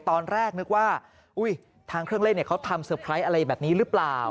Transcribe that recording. ตอนแรกนึกว่าทางเครื่องเล่นเขาทำเตอร์ไพรส์อะไรแบบนี้หรือเปล่า